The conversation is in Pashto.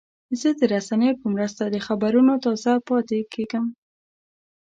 زه د رسنیو په مرسته د خبرونو تازه پاتې کېږم.